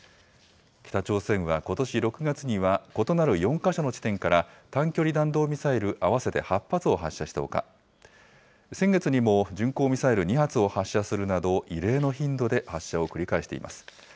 北朝鮮はことし６月には、異なる４か所の地点から、短距離弾道ミサイル合わせて８発を発射したほか、先月にも、巡航ミサイル２発を発射するなど、異例の頻度で発射を繰り返しています。